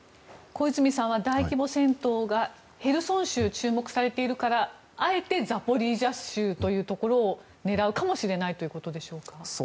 小泉さんは大規模戦闘がヘルソン州注目されているからあえてザポリージャ州というところを狙うかもしれないということでしょうか。